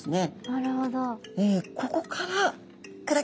なるほど。